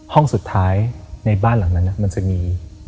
ห้องสุดท้ายในบ้านหลังนั้นมันจะมี